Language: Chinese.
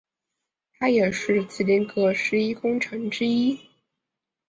他也是麒麟阁十一功臣之一。